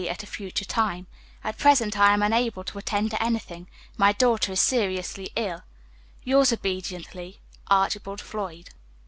at a future time. At present I am unable to attend to anything. My daughter is seriously ill. "Yours obediently, "ARCHIBALD FLOYD."